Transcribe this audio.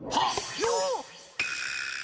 よっ！